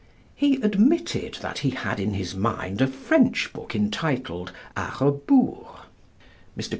He admitted that he had in his mind a French book entitled A Rebours. Mr.